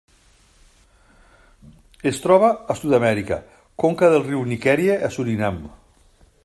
Es troba a Sud-amèrica: conca del riu Nickerie a Surinam.